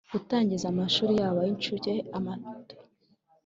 Gutangiza amashuri yaba ay incuke amato